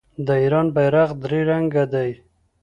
د ایران بیرغ درې رنګه دی.